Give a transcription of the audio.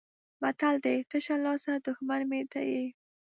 متل دی: تشه لاسه دښمن مې ته یې.